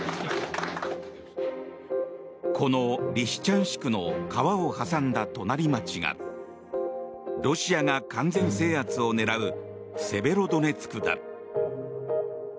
このリシチャンシクの川を挟んだ隣町がロシアが完全制圧を狙うセベロドネツクだ。